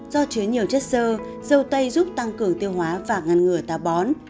do chứa nhiều chất sơ dâu tây giúp tăng cường tiêu hóa và ngăn ngừa tà bón